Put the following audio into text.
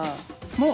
もう！